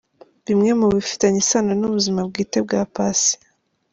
Bimwe mu bifitanye isano n’ubuzima bwite bwa Paccy….